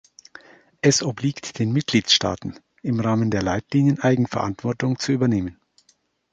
Es obliegt den Mitgliedstaaten, im Rahmen der Leitlinien Eigenverantwortung zu übernehmen.